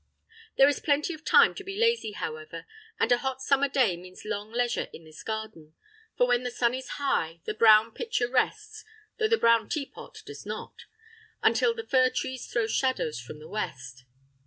There is plenty of time to be lazy, however; and a hot summer day means long leisure in this garden; for when the sun is high the brown pitcher rests (though the brown teapot does not) until the fir trees throw shadows from the west.